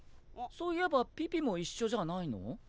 そういえばピピも一緒じゃないの？